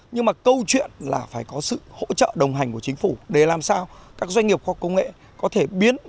nhưng mà câu chuyện là phải có sự hỗ trợ đồng hành của chính phủ để làm sao các doanh nghiệp khoa học công nghệ có thể biến những bằng sáng chế mới